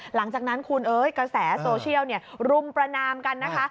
หลังจากนั้นคุณเอ้ยกระแสโซเชียลรุมประนามกันนะคะ